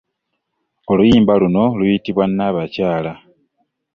Oluyimba luno luyitibwa Nnabakyala .